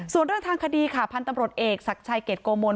ส่วนเรื่องทางคดีค่ะพันธุ์ตำรวจเอกศักดิ์ชัยเกรดโกมล